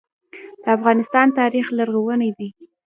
د افغانستان تاریخ لرغونی دی